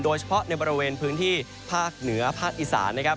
โดยเฉพาะในบริเวณพื้นที่ภาคเหนือภาคอีสานนะครับ